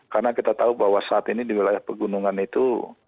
karena kita tahu bahwa saat ini di wilayah pegunungan itu